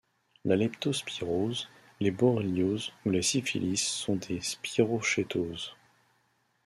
La leptospirose, les borrélioses ou la syphilis sont des spirochétoses.